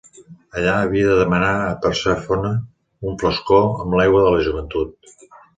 Allà havia de demanar a Persèfone un flascó amb l'aigua de la joventut.